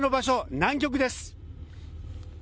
南極です。